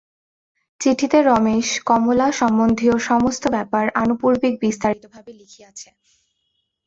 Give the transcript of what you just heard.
চিঠিতে রমেশ কমলা-সম্বন্ধীয় সমস্ত ব্যাপার আনুপূর্বিক বিস্তারিতভাবে লিখিয়াছে।